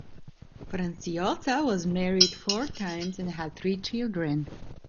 Franciosa was married four times, and had three children.